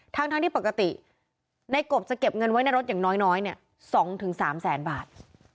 ทั้งที่ปกติในกบจะเก็บเงินไว้ในรถอย่างน้อย๒๓แสนบาท